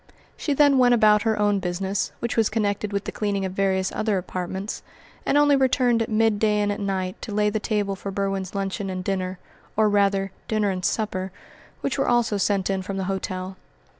She then went about her own business, which was connected with the cleaning of various other apartments, and only returned at midday and at night to lay the table for Berwin's luncheon and dinner, or rather dinner and supper, which were also sent in from the hotel.